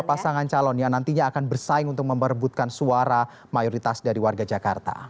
pasangan calon yang nantinya akan bersaing untuk memperebutkan suara mayoritas dari warga jakarta